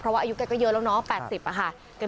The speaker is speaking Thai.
เพราะว่าอายุแกก็เยอะแล้วเนาะ๘๐ค่ะ